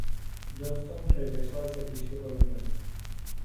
Johnston regresó al servicio colonial.